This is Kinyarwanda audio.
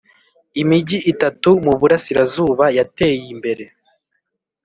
imigi itatu mu burasirazuba yateyimbere.